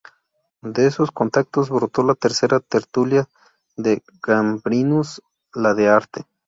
De esos contactos brotó la tercera Tertulia de Gambrinus, la de Arte.